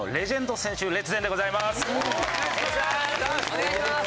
お願いします！